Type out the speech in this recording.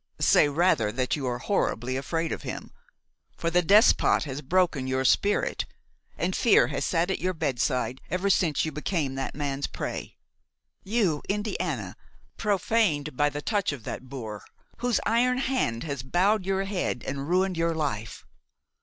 "Say rather that you are horribly afraid of him; for the despot has broken your spirit, and fear has sat at your bedside ever since you became that man's prey. You, Indiana, profaned by the touch of that boor, whose iron hand has bowed your head and ruined your life!